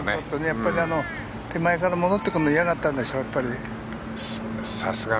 やっぱり手前から戻ってくるの嫌だったんでしょう。